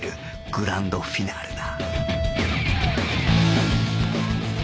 グランドフィナーレだ